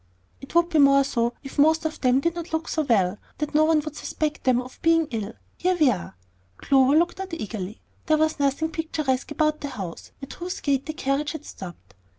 "It would be more so if most of them did not look so well that no one would suspect them of being ill. Here we are." Clover looked out eagerly. There was nothing picturesque about the house at whose gate the carriage had stopped.